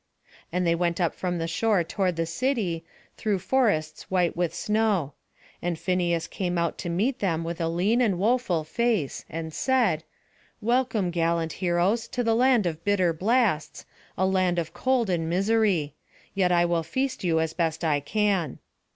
And they went up from the shore toward the city, through forests white with snow; and Phineus came out to meet them with a lean and woeful face, and said, "Welcome, gallant heroes, to the land of bitter blasts, a land of cold and misery; yet I will feast you as best I can."